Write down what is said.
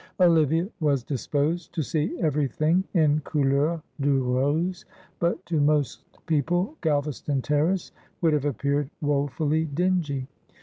Olivia was disposed to see everything in couleur de rose, but to most people Galvaston Terrace would have appeared woefully dingy.